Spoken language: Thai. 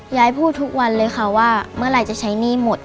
ยายพูดทุกวันเลยค่ะว่าเมื่อไหร่จะใช้หนี้หมด